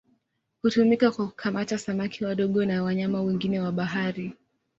Hutumika kwa kukamata samaki wadogo na wanyama wengine wa bahari.